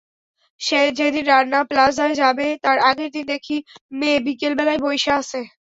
যেদিন রানা প্লাজায় যাবে, তার আগের দিন দেখি মেয়ে বিকেলবেলায় বইসা আছে।